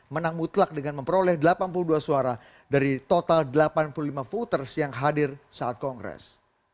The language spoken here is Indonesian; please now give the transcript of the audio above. menang mutlak dengan memperoleh delapan puluh dua suara dari total delapan puluh lima voters yang hadir saat kongres